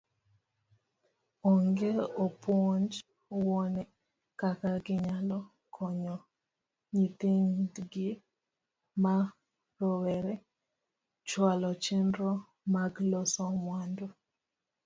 Onego opuonj wuone kaka ginyalo konyo nyithindgi ma rowere chwalo chenro mag loso mwandu.